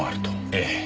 ええ。